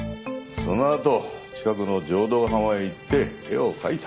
そのあと近くの浄土ヶ浜へ行って絵を描いた。